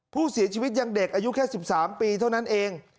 ผู้เสียชีวิตยังเด็กอายุแค่๑๓ปีเท่านั้นเอง